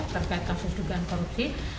terkait kasus dugaan korupsi